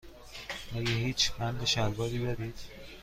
آیا هیچ بند شلواری دارید؟